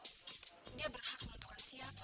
dia berhak menentukan siapa